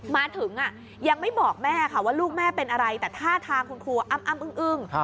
มาถึงยังไม่บอกแม่ค่ะว่าลูกแม่เป็นอะไรแต่ท่าทางคุณครูอ้ำอึ้ง